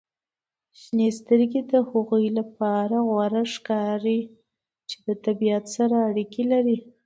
• شنې سترګې د هغوی لپاره غوره ښکاري چې د طبیعت سره اړیکه لري.